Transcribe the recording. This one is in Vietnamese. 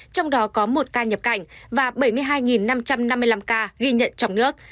trong đó có một ca nhập cảnh và bảy mươi hai năm trăm năm mươi năm ca ghi nhận trong nước